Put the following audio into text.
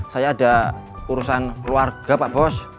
saya ada urusan keluarga pak bos